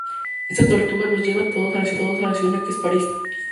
Esta tortuga los lleva a todos a la ciudad más cercana que es París.